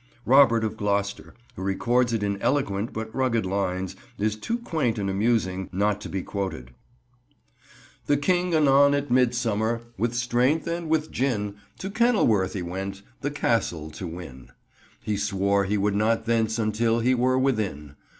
Robert of Gloucester, who records it in eloquent but rugged lines, is too quaint and amusing not to be quoted— "The king anon at midsummer, with strength and with gin To Kenilworth y went, the castle to win; He swore he would not thence until he were within.